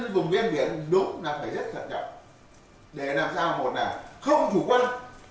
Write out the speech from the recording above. vùng ven biển đúng là phải rất cẩn trọng để làm sao một là không chủ quan